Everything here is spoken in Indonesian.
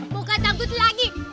bukan takut lagi